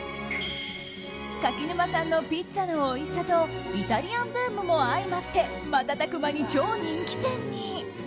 柿沼さんのピッツァのおいしさとイタリアンブームも相まって瞬く間に超人気店に。